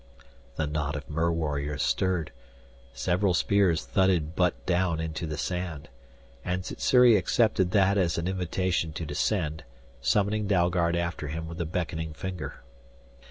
The knot of mer warriors stirred. Several spears thudded butt down into the sand. And Sssuri accepted that as an invitation to descend, summoning Dalgard after him with a beckoning finger.